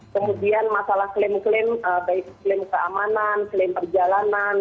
kemudian masalah klaim klaim baik klaim keamanan klaim perjalanan